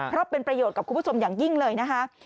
เพราะเป็นประโยชน์กับคุณผู้ชมอย่างยิ่งเลยนะคะ